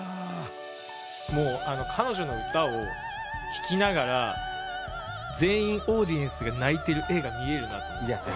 もうあの彼女の歌を聴きながら全員オーディエンスが泣いてる画が見えるなと思って。